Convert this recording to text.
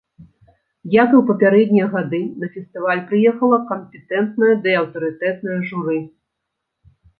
Як і ў папярэднія гады, на фестываль прыехала кампетэнтнае ды аўтарытэтнае журы.